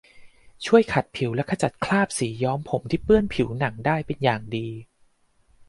ช่วยขัดผิวและขจัดคราบสีย้อมผมที่เปื้อนผิวหนังได้เป็นอย่างดี